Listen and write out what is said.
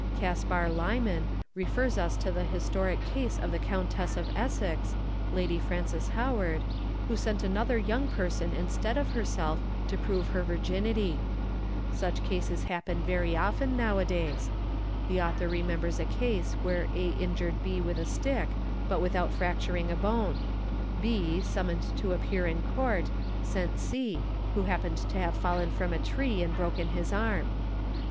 Kaspar Limen refers us to the historic ( ase of the Countess of Essex (Lady Francis Howard) who sent another young person instead of herself to prove her virginity "". Such cases a Ta A OUR ~ happen very often now a days. The author remembers a case where A injured B with a stick but without fracturing a bone. B, summoned to appear in Court, sent C, who happened to have fallen from a tree and broken his arm.